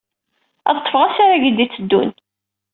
Ad ḍḍfeɣ asafag ay d-yetteddun.